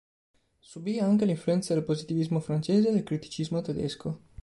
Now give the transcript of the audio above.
Subì, anche, l'influenza del positivismo francese e del criticismo tedesco.